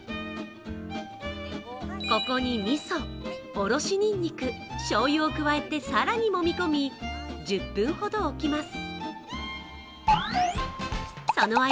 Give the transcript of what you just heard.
ここにみそ、おろしにんにく、しょうゆを加えてさらにもみ込み、１０分ほどおきます。